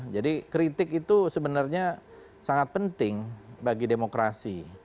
jadi kritik itu sebenarnya sangat penting bagi demokrasi